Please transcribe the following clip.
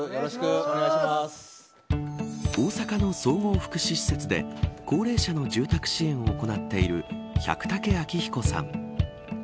大阪の総合福祉施設で高齢者の住宅支援を行っている百武昭彦さん。